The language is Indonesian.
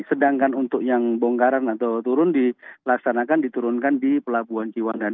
sedangkan untuk yang bongkaran atau turun dilaksanakan diturunkan di pelabuhan ciwandan